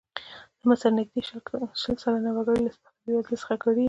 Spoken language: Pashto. د مصر نږدې شل سلنه وګړي له سختې بېوزلۍ څخه کړېږي.